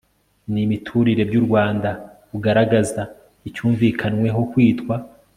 n imiturire by u Rwanda bugaragaza icyumvikanweho kwitwa